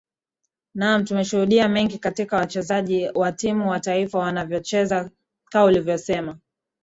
naam tumeshudia mengi wakati wachezaji aa wa timu ya taifa wanavyocheza kaulivyosema